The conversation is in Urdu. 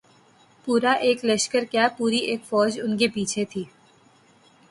پورا ایک لشکر کیا‘ پوری ایک فوج ان کے پیچھے تھی۔